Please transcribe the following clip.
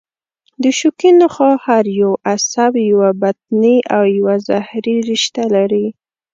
د شوکي نخاع هر یو عصب یوه بطني او یوه ظهري رشته لري.